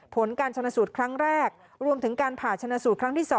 ผลการชนสูตรครั้งแรกรวมถึงการผ่าชนะสูตรครั้งที่๒